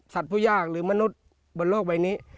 ผู้ยากหรือมนุษย์บนโลกใบนี้